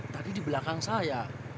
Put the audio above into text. tadi di belakang saya